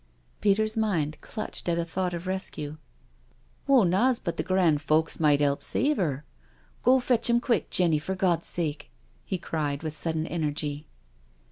Peter's mind clutched at a thought of rescue. " Wo knaws but th' gran' folk might 'elp save 'er. Go, fetch 'im quick, Jenny, for Gawd's sake," he cried with sudden energy.